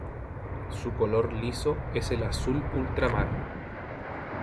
Su color liso es el azul ultramar.